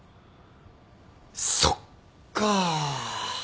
そっか。